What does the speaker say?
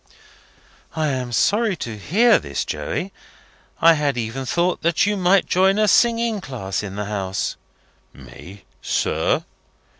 "I am sorry to hear this, Joey. I had even thought that you might join a singing class in the house." "Me, sir?